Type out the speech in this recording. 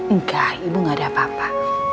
enggak ibu gak ada apa apa